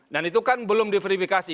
dan itu kan belum diverifikasi